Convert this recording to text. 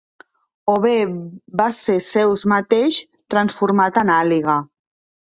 O bé va ser Zeus mateix, transformat en àliga.